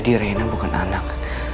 jadi reina bukan anak